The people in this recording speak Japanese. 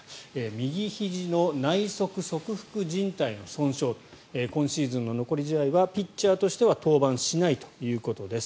右ひじの内側側副じん帯の損傷今シーズンの残り試合はピッチャーとしては登板しないということです。